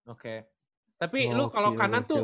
oke tapi lu kalau kanan tuh